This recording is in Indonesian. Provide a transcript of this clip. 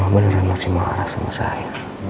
beneran masih marah sama saya